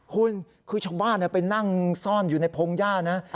คุณคือชาวบ้านไปนั่งซ่อนอยู่ในพงหญ้านะ